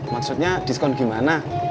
maksudnya diskon gimana